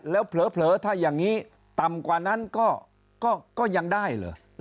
แล้วเผลอถ้าอย่างนี้ต่ำกว่านั้นก็ยังได้เหรอ